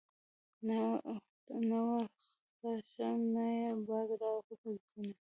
نه ورختی شم نه ئې باد را غورځوېنه